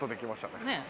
ねえ。